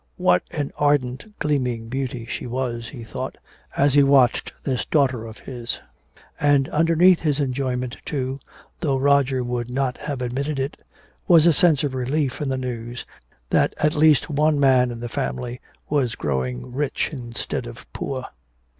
What an ardent gleaming beauty she was, he thought as he watched this daughter of his. And underneath his enjoyment, too, though Roger would not have admitted it, was a sense of relief in the news that at least one man in the family was growing rich instead of poor.